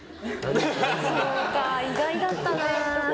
そうか意外だったな。